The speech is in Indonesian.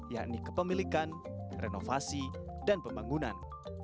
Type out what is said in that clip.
yakni kepemilikan renovasi dan pembangunan